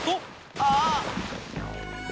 ああ！